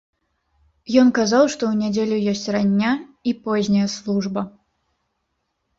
Ён казаў, што ў нядзелю ёсць рання і позняя служба.